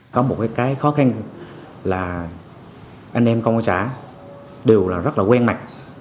có một cái khó khăn là anh em không có xã đều là rất là quen mạch